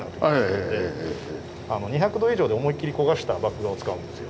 ２００度以上で思い切り焦がした麦芽を使うんですよ。